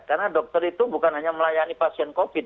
karena dokter itu bukan hanya melayani pasien covid sembilan belas